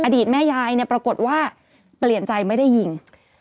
อดีตแม่ยายเนี่ยปรากฏว่าเปลี่ยนใจไม่ได้ยิง